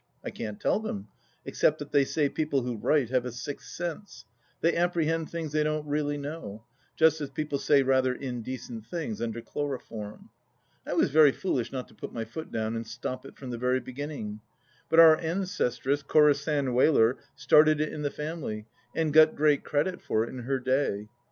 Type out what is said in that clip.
I can't tell them, except that they say people who write have a sixth sense — ^they apprehend things they don't really know, just as people say rather indecent things under chloroform. I was very foolish not to put my foot down and stop it from the very beginning. But our ancestress Corisande Wheler started it in the family and got great credit for it in her day.